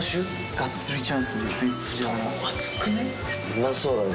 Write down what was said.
うまそうだね！